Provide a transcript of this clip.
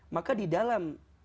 maka di dalam